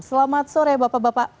selamat sore bapak bapak